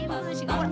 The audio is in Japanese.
ほら。